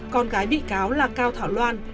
con gái bị cáo là cao thảo loan